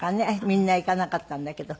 みんな行かなかったんだけど。